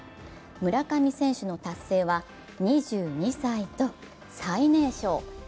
村上選手の達成は２２歳と最年少。